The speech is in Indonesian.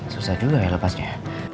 susah juga ya lepasnya